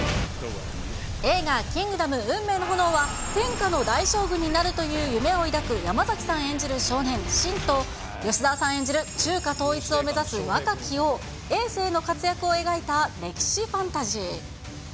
映画、キングダム運命の炎は、天下の大将軍になるという夢を抱く山崎さん演じる少年、信と、吉沢さん演じる中華統一を目指す若き王、えい政の活躍を描いた歴史ファンタジー。